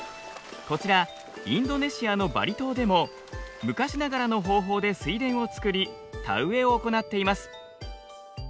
こちらインドネシアのバリ島でも昔ながらの方法で水田を作り田植えを行っています。